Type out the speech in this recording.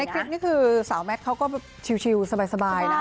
คลิปนี้คือสาวแมทเขาก็ชิลสบายนะ